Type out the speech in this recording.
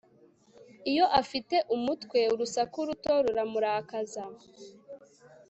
iyo afite umutwe, urusaku ruto ruramurakaza